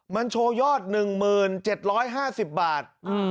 มันโชว์ยอด๑๗๕๐บาท